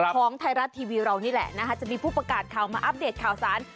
ของไทยรัฐทีวีเรานี่แหละนะคะจะมีผู้ประกาศข่าวมาอัปเดตข่าวสาร